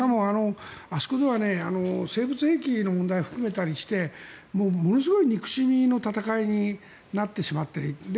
あそこでは生物兵器の問題も含めたりしてものすごい憎しみの戦いになってしまっていて。